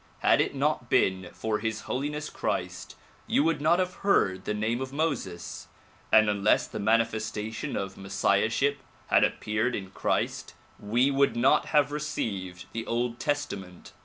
Had it not been for His Holiness Christ you would not have heard the name of Moses ; and unless the manifestation of messiahship had appeared in Christ we would not have received the old testament.